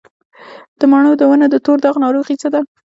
د مڼو د ونو د تور داغ ناروغي څه ده؟